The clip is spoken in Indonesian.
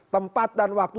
tempat dan waktu